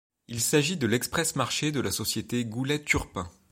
Il s'agit de l'Express-Marché de la société Goulet-Turpin.